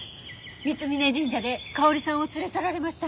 三峯神社で香織さんを連れ去られました。